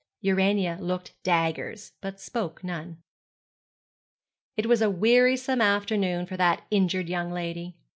Urania looked daggers but spoke none. It was a wearisome afternoon for that injured young lady.